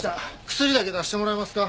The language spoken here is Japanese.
薬だけ出してもらえますか？